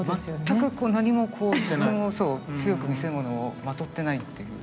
全く何もこう自分を強く見せるものをまとってないっていう。